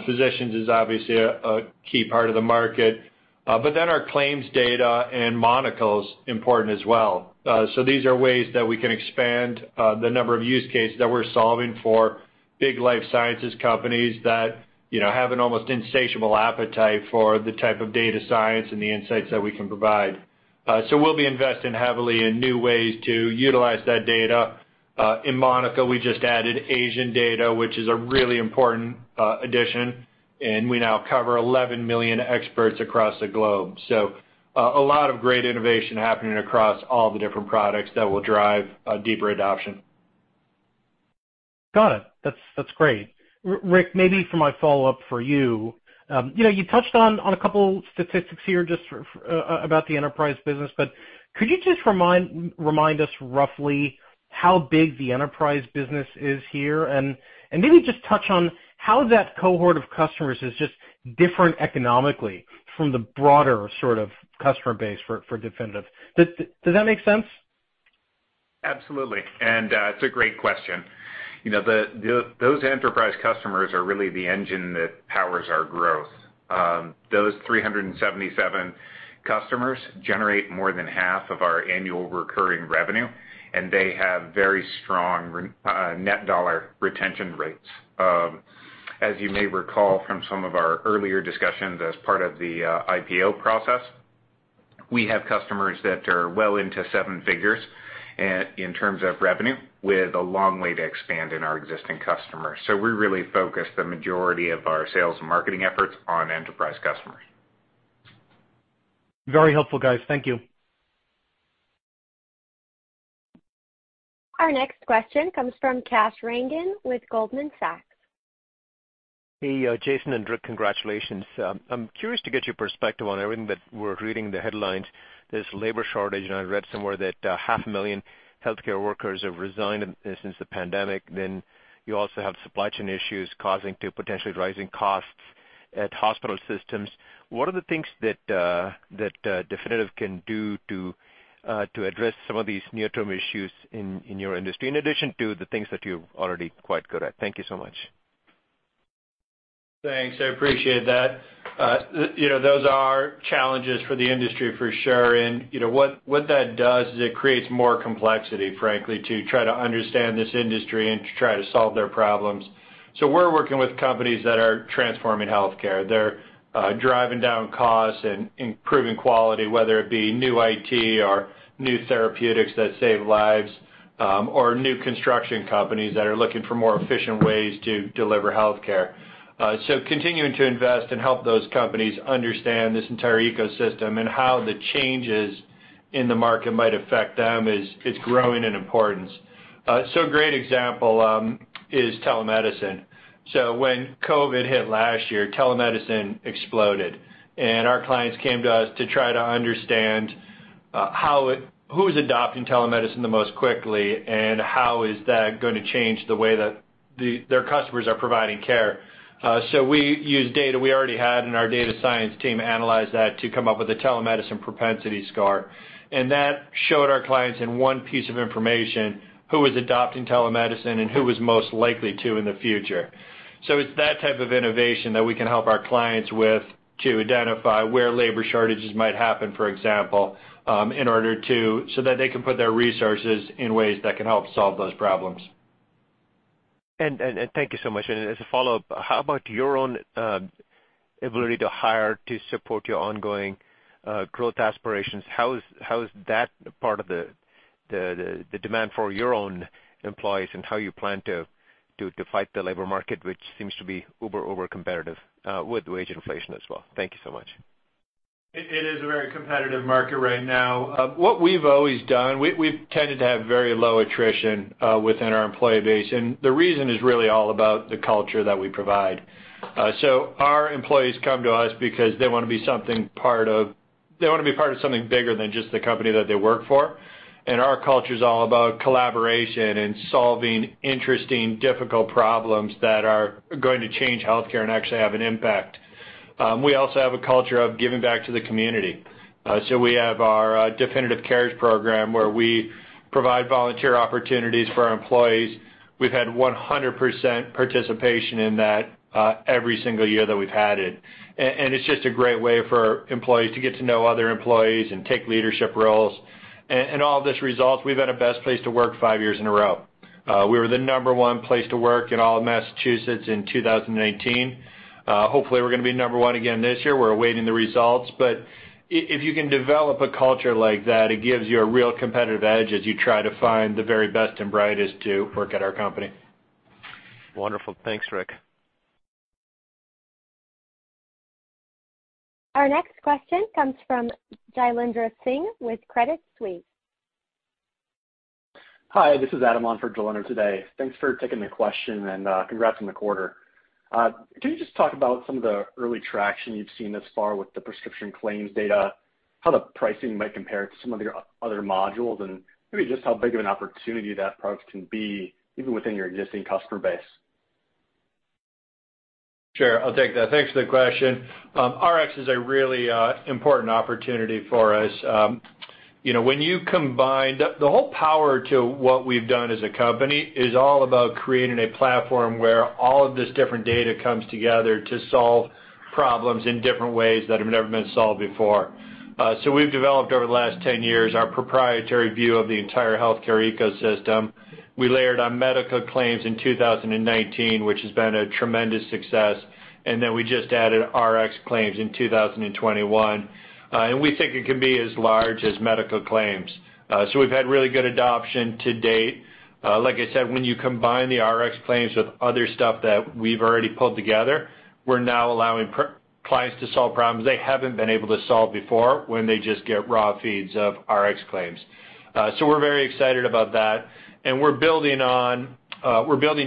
Physicians is obviously a key part of the market. Our claims data and Monocl's important as well. These are ways that we can expand the number of use cases that we're solving for big life sciences companies that, you know, have an almost insatiable appetite for the type of data science and the insights that we can provide. We'll be investing heavily in new ways to utilize that data. In Monocl, we just added Asian data, which is a really important addition, and we now cover 11 million experts across the globe. A lot of great innovation happening across all the different products that will drive deeper adoption. Got it. That's great. Rick, maybe for my follow-up for you know, you touched on a couple statistics here just about the enterprise business, but could you just remind us roughly how big the enterprise business is here? And maybe just touch on how that cohort of customers is just different economically from the broader sort of customer base for Definitive. Does that make sense? Absolutely. It's a great question. You know, those enterprise customers are really the engine that powers our growth. Those 377 customers generate more than half of our annual recurring revenue, and they have very strong net dollar retention rates. As you may recall from some of our earlier discussions as part of the IPO process, we have customers that are well into seven figures in terms of revenue, with a long way to expand in our existing customers. We really focus the majority of our sales and marketing efforts on enterprise customers. Very helpful, guys. Thank you. Our next question comes from Kash Rangan with Goldman Sachs. Hey, Jason and Rick. Congratulations. I'm curious to get your perspective on everything that we're reading in the headlines. There's labor shortage, and I read somewhere that 500,000 healthcare workers have resigned since the pandemic. Then you also have supply chain issues causing potentially rising costs at hospital systems. What are the things that Definitive can do to address some of these near-term issues in your industry, in addition to the things that you've already quite good at? Thank you so much. Thanks. I appreciate that. You know, those are challenges for the industry for sure. You know, what that does is it creates more complexity, frankly, to try to understand this industry and to try to solve their problems. We're working with companies that are transforming healthcare. They're driving down costs and improving quality, whether it be new IT or new therapeutics that save lives, or new construction companies that are looking for more efficient ways to deliver healthcare. Continuing to invest and help those companies understand this entire ecosystem and how the changes in the market might affect them is growing in importance. Great example is telemedicine. When COVID hit last year, telemedicine exploded, and our clients came to us to try to understand how it... Who's adopting telemedicine the most quickly, and how is that gonna change the way that their customers are providing care. We used data we already had, and our data science team analyzed that to come up with a telemedicine propensity score. That showed our clients in one piece of information who was adopting telemedicine and who was most likely to in the future. It's that type of innovation that we can help our clients with to identify where labor shortages might happen, for example, so that they can put their resources in ways that can help solve those problems. Thank you so much. As a follow-up, how about your own ability to hire to support your ongoing growth aspirations? How is that part of the demand for your own employees and how you plan to fight the labor market, which seems to be uber competitive with wage inflation as well? Thank you so much. It is a very competitive market right now. What we've always done, we've tended to have very low attrition within our employee base, and the reason is really all about the culture that we provide. Our employees come to us because they wanna be part of something bigger than just the company that they work for. Our culture is all about collaboration and solving interesting, difficult problems that are going to change healthcare and actually have an impact. We also have a culture of giving back to the community. We have our Definitive Cares program where we provide volunteer opportunities for our employees. We've had 100% participation in that every single year that we've had it. It's just a great way for employees to get to know other employees and take leadership roles. All of this results, we've been a best place to work five years in a row. We were the number one place to work in all of Massachusetts in 2019. Hopefully, we're gonna be number one again this year. We're awaiting the results. If you can develop a culture like that, it gives you a real competitive edge as you try to find the very best and brightest to work at our company. Wonderful. Thanks, Rick. Our next question comes from Jailendra Singh with Credit Suisse. Hi, this is Adam on for today. Thanks for taking the question, and congrats on the quarter. Can you just talk about some of the early traction you've seen thus far with the prescription claims data, how the pricing might compare to some of your other modules, and maybe just how big of an opportunity that product can be even within your existing customer base? Sure. I'll take that. Thanks for the question. RX is a really important opportunity for us. You know, the whole power of what we've done as a company is all about creating a platform where all of this different data comes together to solve problems in different ways that have never been solved before. We've developed over the last 10 years our proprietary view of the entire healthcare ecosystem. We layered on medical claims in 2019, which has been a tremendous success. We just added RX claims in 2021. We think it can be as large as medical claims. We've had really good adoption to date. Like I said, when you combine the RX claims with other stuff that we've already pulled together, we're now allowing our clients to solve problems they haven't been able to solve before when they just get raw feeds of RX claims. We're very excited about that. We're building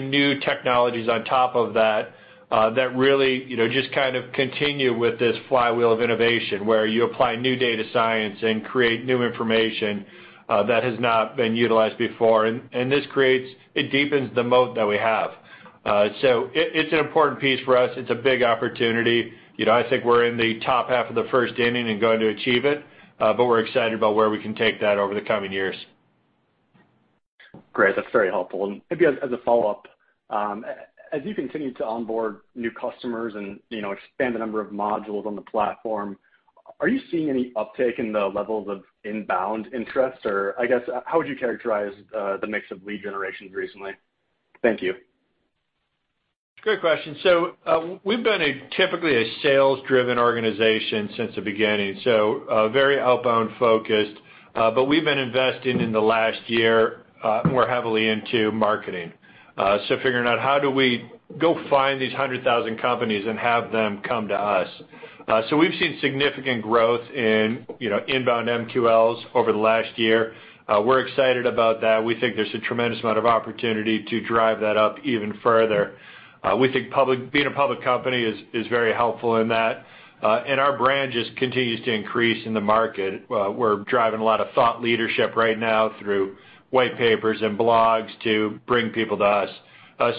new technologies on top of that that really, you know, just kind of continue with this flywheel of innovation, where you apply new data science and create new information that has not been utilized before. It deepens the moat that we have. It's an important piece for us. It's a big opportunity. You know, I think we're in the top half of the first inning and going to achieve it, but we're excited about where we can take that over the coming years. Great. That's very helpful. Maybe as a follow-up, as you continue to onboard new customers and, you know, expand the number of modules on the platform, are you seeing any uptick in the levels of inbound interest? Or I guess, how would you characterize the mix of lead generations recently? Thank you. Great question. We've been typically a sales-driven organization since the beginning, so very outbound-focused. We've been investing in the last year more heavily into marketing. Figuring out how do we go find these 100,000 companies and have them come to us. We've seen significant growth in, you know, inbound MQLs over the last year. We're excited about that. We think there's a tremendous amount of opportunity to drive that up even further. We think being a public company is very helpful in that. Our brand just continues to increase in the market. We're driving a lot of thought leadership right now through white papers and blogs to bring people to us.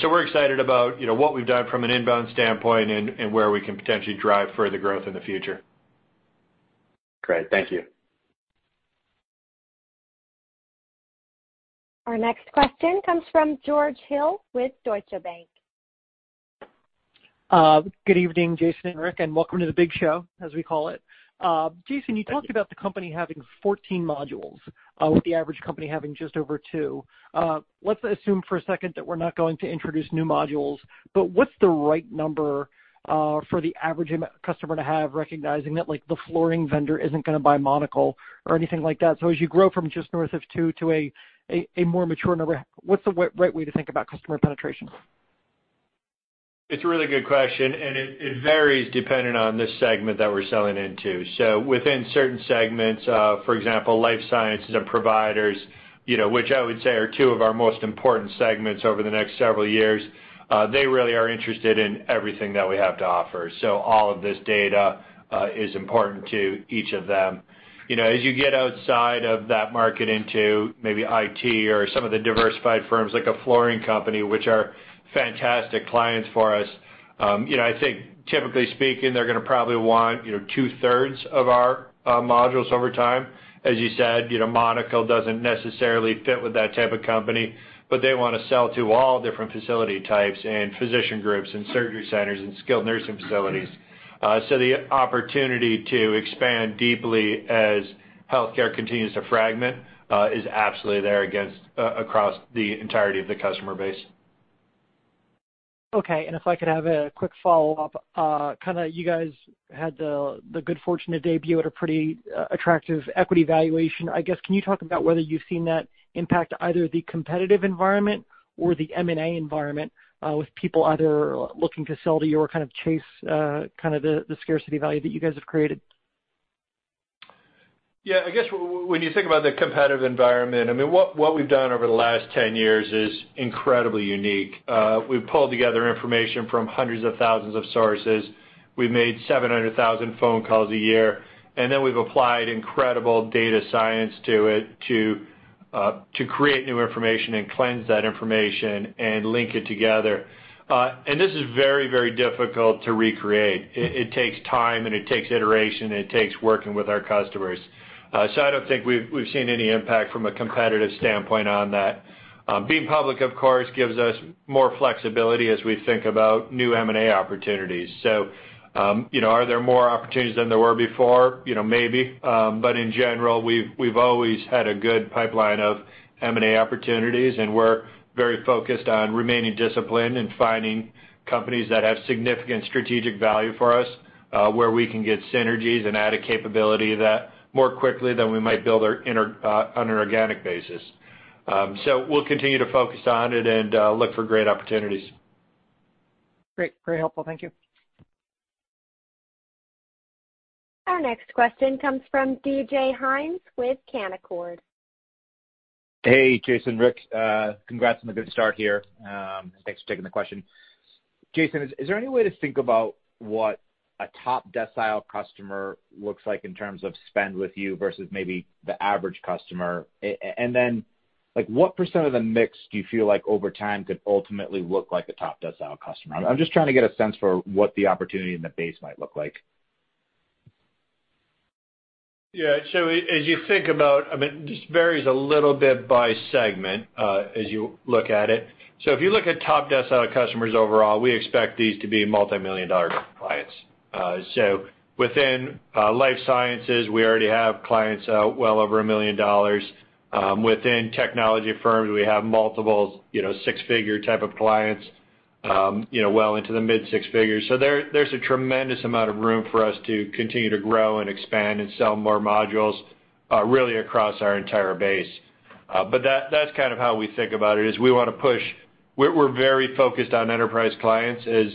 We're excited about, you know, what we've done from an inbound standpoint and where we can potentially drive further growth in the future. Great. Thank you. Our next question comes from George Hill with Deutsche Bank. Good evening, Jason and Rick, and welcome to the big show, as we call it. Jason- Thank you. You talked about the company having 14 modules, with the average customer having just over 2. Let's assume for a second that we're not going to introduce new modules, but what's the right number for the average customer to have, recognizing that, like, the flooring vendor isn't gonna buy Monocl or anything like that. So as you grow from just north of 2 to a more mature number, what's the right way to think about customer penetration? It's a really good question, and it varies depending on the segment that we're selling into. Within certain segments, for example, life sciences and providers, you know, which I would say are two of our most important segments over the next several years, they really are interested in everything that we have to offer. So all of this data is important to each of them. You know, as you get outside of that market into maybe IT or some of the diversified firms like a flooring company, which are fantastic clients for us, you know, I think typically speaking, they're gonna probably want, you know, two-thirds of our modules over time. As you said, you know, Monocl doesn't necessarily fit with that type of company, but they wanna sell to all different facility types and physician groups and surgery centers and skilled nursing facilities. The opportunity to expand deeply as healthcare continues to fragment is absolutely there across the entirety of the customer base. Okay. If I could have a quick follow-up. Kinda you guys had the good fortune to debut at a pretty attractive equity valuation. I guess, can you talk about whether you've seen that impact either the competitive environment or the M&A environment, with people either looking to sell to you or kind of chase kind of the scarcity value that you guys have created? Yeah. I guess when you think about the competitive environment, I mean, what we've done over the last 10 years is incredibly unique. We've pulled together information from hundreds of thousands of sources. We've made 700,000 phone calls a year, and then we've applied incredible data science to it to create new information and cleanse that information and link it together. This is very, very difficult to recreate. It takes time, and it takes iteration, and it takes working with our customers. I don't think we've seen any impact from a competitive standpoint on that. Being public, of course, gives us more flexibility as we think about new M&A opportunities. You know, are there more opportunities than there were before? You know, maybe. In general, we've always had a good pipeline of M&A opportunities, and we're very focused on remaining disciplined and finding companies that have significant strategic value for us, where we can get synergies and add a capability more quickly than we might build on an organic basis. We'll continue to focus on it and look for great opportunities. Great. Very helpful. Thank you. Our next question comes from DJ Hynes with Canaccord. Hey, Jason, Rick, congrats on a good start here. Thanks for taking the question. Jason, is there any way to think about what a top decile customer looks like in terms of spend with you versus maybe the average customer? Like, what percent of the mix do you feel like over time could ultimately look like a top decile customer? I'm just trying to get a sense for what the opportunity in the base might look like. Yeah. As you think about it. I mean, this varies a little bit by segment, as you look at it. If you look at top decile customers overall, we expect these to be multimillion-dollar clients. Within life sciences, we already have clients well over $1 million. Within technology firms, we have multiple, you know, six-figure type of clients, you know, well into the mid six figures. There's a tremendous amount of room for us to continue to grow and expand and sell more modules, really across our entire base. But that's kind of how we think about it. We're very focused on enterprise clients. As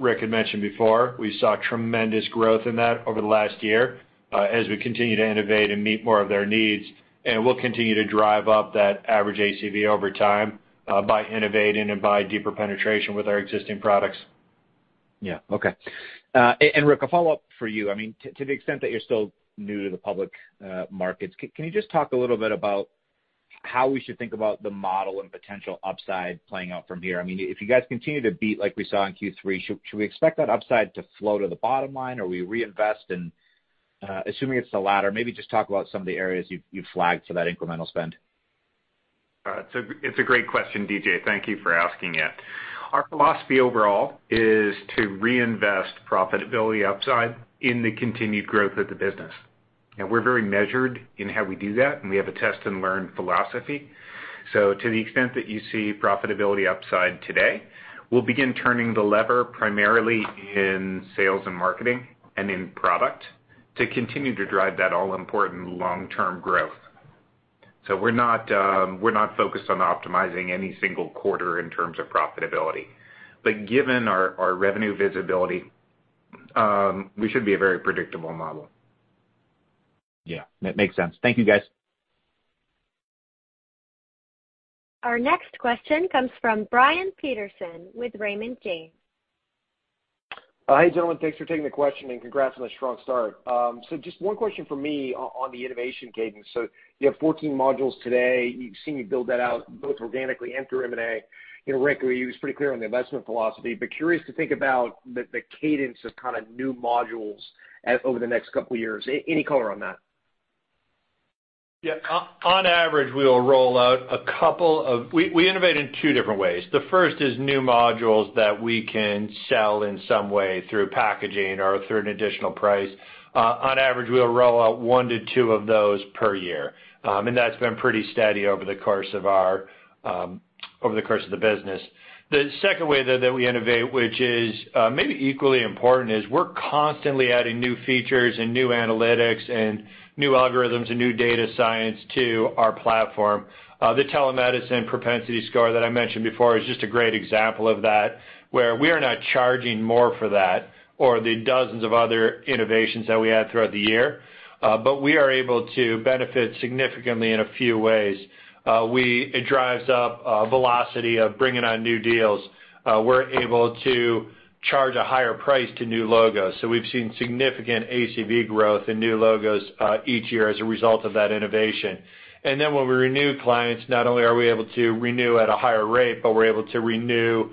Rick had mentioned before, we saw tremendous growth in that over the last year, as we continue to innovate and meet more of their needs, and we'll continue to drive up that average ACV over time, by innovating and by deeper penetration with our existing products. Yeah. Okay. And Rick, a follow-up for you. I mean, to the extent that you're still new to the public markets, can you just talk a little bit about how we should think about the model and potential upside playing out from here? I mean, if you guys continue to beat like we saw in Q3, should we expect that upside to flow to the bottom line or will you reinvest? Assuming it's the latter, maybe just talk about some of the areas you've flagged for that incremental spend. It's a great question, DJ. Thank you for asking it. Our philosophy overall is to reinvest profitability upside in the continued growth of the business. We're very measured in how we do that, and we have a test-and-learn philosophy. To the extent that you see profitability upside today, we'll begin turning the lever primarily in sales and marketing and in product to continue to drive that all important long-term growth. We're not focused on optimizing any single quarter in terms of profitability. Given our revenue visibility, we should be a very predictable model. Yeah, that makes sense. Thank you, guys. Our next question comes from Brian Peterson with Raymond James. Hi, gentlemen, thanks for taking the question, and congrats on a strong start. Just one question from me on the innovation cadence. You have 14 modules today. We've seen you build that out both organically and through M&A. You know, Rick, you were pretty clear on the investment philosophy, but curious to think about the cadence of kinda new modules over the next couple years. Any color on that? On average, we innovate in two different ways. The first is new modules that we can sell in some way through packaging or through an additional price. On average, we'll roll out 1-2 of those per year. That's been pretty steady over the course of the business. The second way that we innovate, which is maybe equally important, is we're constantly adding new features and new analytics and new algorithms and new data science to our platform. The telemedicine propensity score that I mentioned before is just a great example of that, where we are not charging more for that or the dozens of other innovations that we had throughout the year. We are able to benefit significantly in a few ways. It drives up velocity of bringing on new deals. We're able to charge a higher price to new logos. We've seen significant ACV growth in new logos each year as a result of that innovation. When we renew clients, not only are we able to renew at a higher rate, but we're able to renew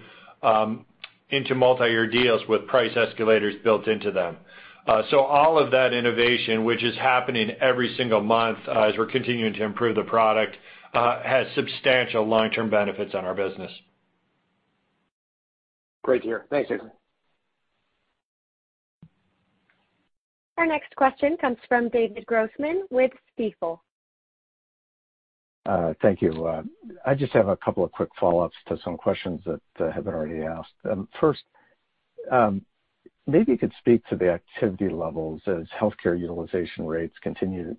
into multiyear deals with price escalators built into them. All of that innovation, which is happening every single month as we're continuing to improve the product, has substantial long-term benefits on our business. Great to hear. Thanks, Jason. Our next question comes from David Grossman with Stifel. Thank you. I just have a couple of quick follow-ups to some questions that have been already asked. First, maybe you could speak to the activity levels as healthcare utilization rates continue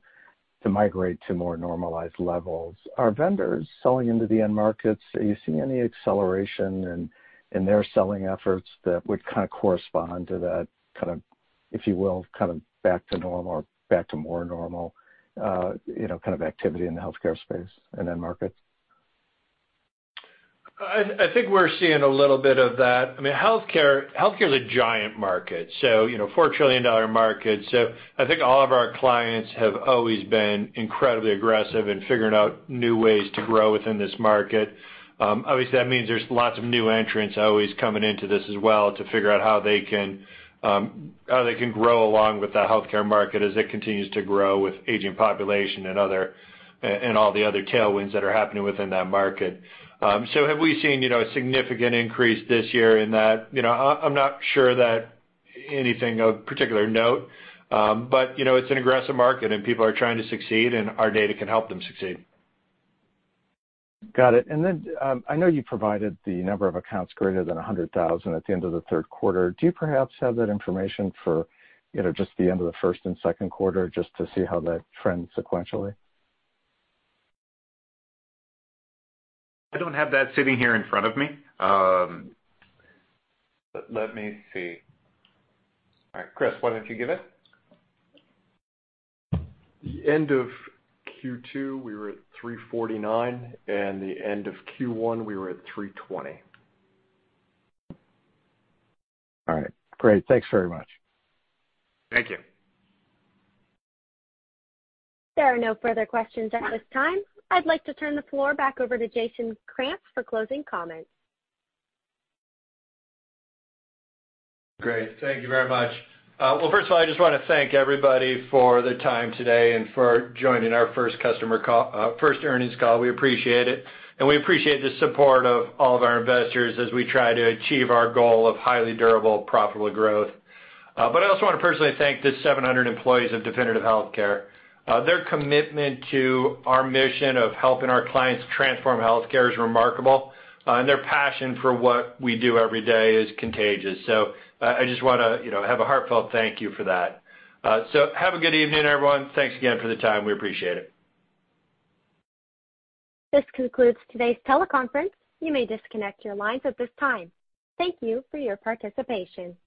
to migrate to more normalized levels. Are vendors selling into the end markets? Are you seeing any acceleration in their selling efforts that would kinda correspond to that kind of, if you will, kind of back to normal or back to more normal, you know, kind of activity in the healthcare space and end markets? I think we're seeing a little bit of that. I mean, healthcare is a giant market, you know, $4 trillion market. I think all of our clients have always been incredibly aggressive in figuring out new ways to grow within this market. Obviously, that means there's lots of new entrants always coming into this as well to figure out how they can grow along with that healthcare market as it continues to grow with aging population and other, and all the other tailwinds that are happening within that market. Have we seen, you know, a significant increase this year in that? You know, I'm not sure that anything of particular note, but, you know, it's an aggressive market, and people are trying to succeed, and our data can help them succeed. Got it. I know you provided the number of accounts greater than 100,000 at the end of the third quarter. Do you perhaps have that information for, you know, just the end of the first and second quarter just to see how that trends sequentially? I don't have that sitting here in front of me. Let me see. All right. Chris, why don't you give it? The end of Q2, we were at 349, and the end of Q1, we were at 320. All right. Great. Thanks very much. Thank you. There are no further questions at this time. I'd like to turn the floor back over to Jason Krantz for closing comments. Great. Thank you very much. Well, first of all, I just wanna thank everybody for the time today and for joining our first customer call, first earnings call. We appreciate it, and we appreciate the support of all of our investors as we try to achieve our goal of highly durable, profitable growth. I also wanna personally thank the 700 employees of Definitive Healthcare. Their commitment to our mission of helping our clients transform healthcare is remarkable, and their passion for what we do every day is contagious. I just wanna, you know, have a heartfelt thank you for that. Have a good evening, everyone. Thanks again for the time. We appreciate it. This concludes today's teleconference. You may disconnect your lines at this time. Thank you for your participation.